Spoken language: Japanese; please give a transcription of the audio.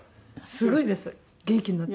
すごいです元気になって。